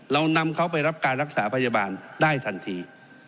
เรานำเขาไปรับการรักษาพยาบาลได้ทันที